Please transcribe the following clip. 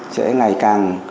sẽ ngày càng